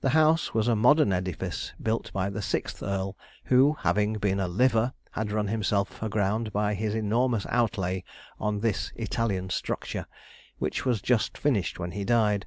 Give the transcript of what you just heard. The house was a modern edifice, built by the sixth earl, who, having been a 'liver,' had run himself aground by his enormous outlay on this Italian structure, which was just finished when he died.